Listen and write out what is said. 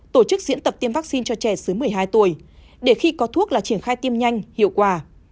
tổ chức diễn tập tiêm vaccine cho trẻ dưới một mươi hai tuổi để khi có thuốc là triển khai tiêm nhanh hiệu quả